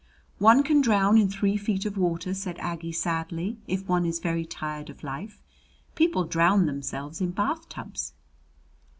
"One can drown in three feet of water," said Aggie sadly, "if one is very tired of life. People drown themselves in bathtubs."